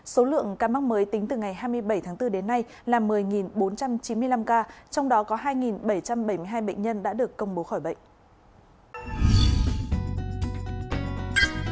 số lượng ca mắc mới tính từ ngày hai mươi bảy tháng bốn đến nay là một mươi bốn trăm chín mươi năm ca trong đó có hai bảy trăm bảy mươi hai bệnh nhân đã được công bố khỏi bệnh